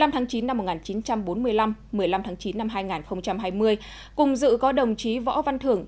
một mươi tháng chín năm một nghìn chín trăm bốn mươi năm một mươi năm tháng chín năm hai nghìn hai mươi cùng dự có đồng chí võ văn thưởng